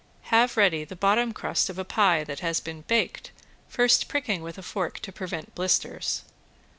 Have ready the bottom crust of a pie that has been baked, first pricking with a fork to prevent blisters.